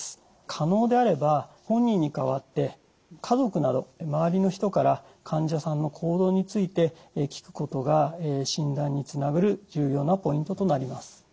可能であれば本人に代わって家族など周りの人から患者さんの行動について聞くことが診断につながる重要なポイントとなります。